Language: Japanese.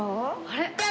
あれ？